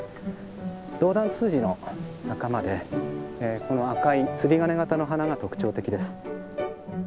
ドウダンツツジの仲間でこの赤い釣り鐘形の花が特徴的です。